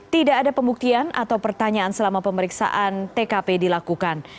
tidak ada pembuktian atau pertanyaan selama pemeriksaan tkp dilakukan